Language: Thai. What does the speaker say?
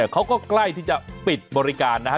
เขาก็ใกล้ที่จะปิดบริการนะฮะ